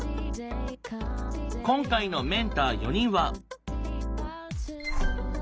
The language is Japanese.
今回のメンター４人は？